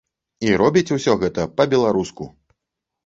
І робіць усё гэта па-беларуску!